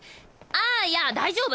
あいや大丈夫！